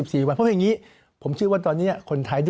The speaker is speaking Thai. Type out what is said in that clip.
เพราะว่าอย่างนี้ผมคิดว่าตอนนี้คนไทย